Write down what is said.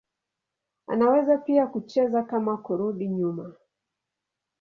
Anaweza pia kucheza kama kurudi nyuma.